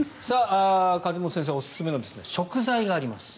梶本先生おすすめの食材があります。